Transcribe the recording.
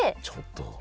ちょっと。